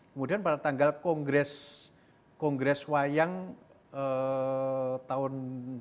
kemudian pada tanggal kongres wayang tahun seribu sembilan ratus tujuh puluh empat